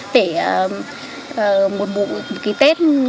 để một buổi tết